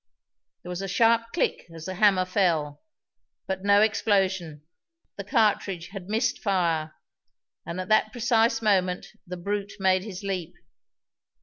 There was a sharp click as the hammer fell, but no explosion the cartridge had missed fire and at that precise moment the brute made his leap.